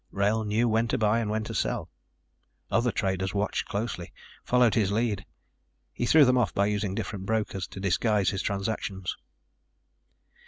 Wrail knew when to buy and when to sell. Other traders watched closely, followed his lead. He threw them off by using different brokers to disguise his transactions.